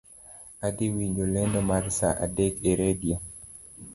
Adhii winjo lendo mar saa adek e radio